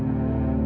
aku mau kemana